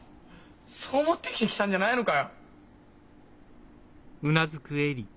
そう思って生きてきたんじゃないのかよ！